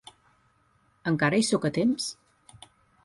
Encara hi soc a temps?